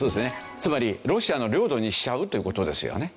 つまりロシアの領土にしちゃうという事ですよね。